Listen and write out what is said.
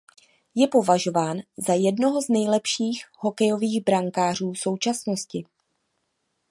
Je považován za jednoho z nejlepších hokejových brankářů současnosti.